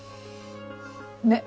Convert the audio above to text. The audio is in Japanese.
ねっ。